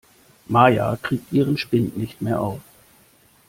Maja kriegt ihren Spind nicht mehr auf.